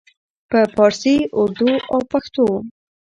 په پارسي، اردو او پښتو